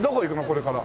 これから。